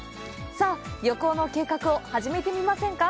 さぁ、旅行の計画を始めてみませんか？